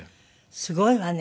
すごいわね。